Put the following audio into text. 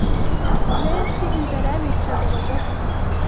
Benshi inzara yarabicaga bagapfa